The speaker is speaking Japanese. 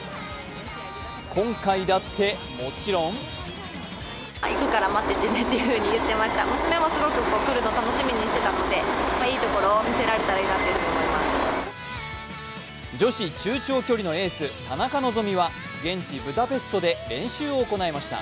今回だって、もちろん女子中長距離のエース、田中希実は現地ブダペストで練習を行いました。